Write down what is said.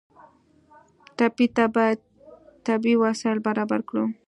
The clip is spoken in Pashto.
ټپي ته باید طبي وسایل برابر کړو.